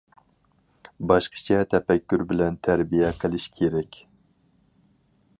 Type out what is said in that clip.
باشقىچە تەپەككۇر بىلەن تەربىيە قىلىش كېرەك.